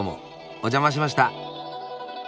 お邪魔しました。